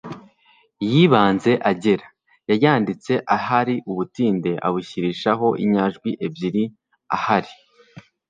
y'ibanze agera . yayanditse ahari ubutinde abushyirishaho inyajwi ebyiri, ahari